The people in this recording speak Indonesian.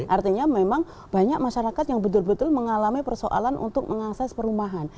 artinya memang banyak masyarakat yang betul betul mengalami persoalan untuk mengakses perumahan